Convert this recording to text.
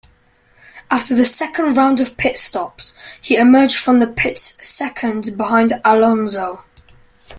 After the second round of pit-stops he emerged from the pits seconds behind Alonso.